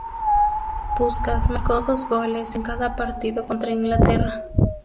Puskás marcó dos goles en cada partido contra Inglaterra.